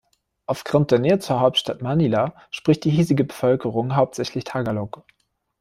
Aufgrund der Nähe zur Hauptstadt Manila spricht die hiesige Bevölkerung hauptsächlich Tagalog.